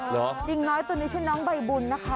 หญิงน้อยตัวนี้ชื่อน้องใบบุญนะคะ